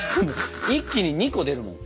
一気に２個出るもん。